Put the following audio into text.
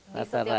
di setiap wilayah